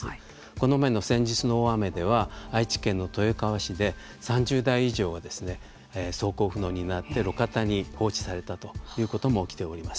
この前の先日の大雨では愛知県の豊川市で３０台以上が走行不能になって路肩に放置されたということも起きております。